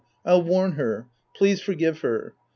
I'll warn her. Please forgive her.